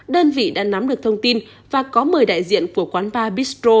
đơn vị đã nắm được thông tin và có mời đại diện của quán bar bixro